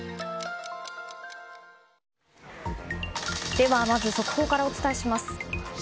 ではまず速報からお伝えします。